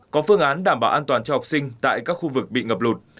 có phương án đảm bảo an toàn cho học sinh tại các khu vực bị ngập lụt